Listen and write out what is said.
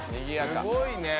すごいね。